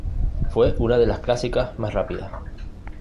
Fue una de las clásicas más rápidas.